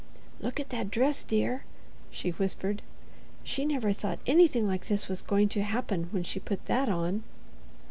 "Look at that dress, dear," she whispered; "she never thought anything like this was going to happen when she put that on."